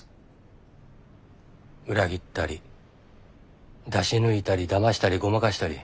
裏切ったり出し抜いたりだましたりごまかしたり。